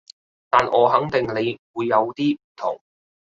但我肯定你會有啲唔同